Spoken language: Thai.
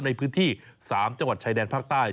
ในพื้นที่๓จังหวัดชายแดนภาคใต้